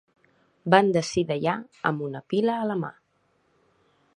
Van d'ací d'allà amb una pila a la mà.